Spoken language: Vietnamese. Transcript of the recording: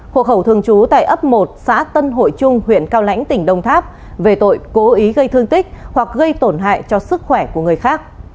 hộ khẩu thường trú tại ấp một xã tân hội trung huyện cao lãnh tỉnh đồng tháp về tội cố ý gây thương tích hoặc gây tổn hại cho sức khỏe của người khác